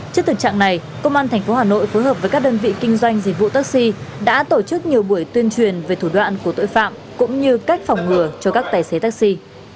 trước thực trạng này công an tp hà nội phối hợp với các đơn vị kinh doanh dịch vụ taxi đã tổ chức nhiều buổi tuyên truyền về thủ đoạn của tội phạm cũng như cách phòng ngừa cho các tài xế taxi